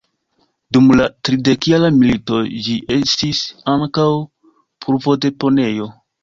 Dum la Tridekjara milito ĝi estis ankaŭ pulvodeponejo.